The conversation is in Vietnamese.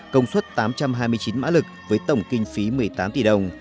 công suất tám trăm hai mươi chín mã lực với tổng kinh phí một mươi tám tỷ đồng